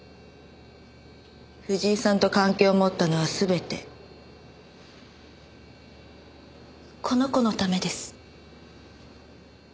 藤井さんと関係を持ったのは全てこの子のためです。